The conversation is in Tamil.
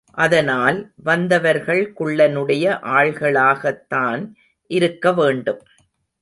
அதனால், வந்தவர்கள் குள்ளனுடைய ஆள்களாகத்தான் இருக்கவேண்டும்.